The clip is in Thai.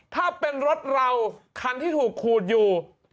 ถ้าเป็นรถเราคันที่ถูกขูดอยู่